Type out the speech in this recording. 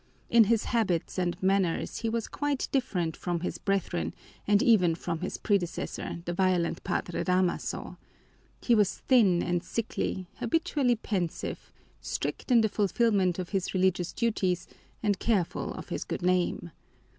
In his habits and manners he was quite different from his brethren and even from his predecessor, the violent Padre Damaso. He was thin and sickly, habitually pensive, strict in the fulfilment of his religious duties, and careful of his good name.